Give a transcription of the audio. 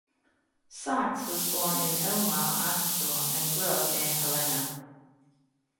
Sykes was born in Elmar, Arkansas, and grew up near Helena.